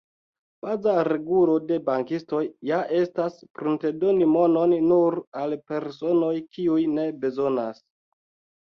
Baza regulo de bankistoj ja estas pruntedoni monon nur al personoj kiuj ne bezonas.